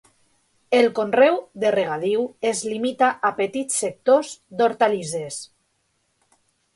El conreu de regadiu es limita a petits sectors d'hortalisses.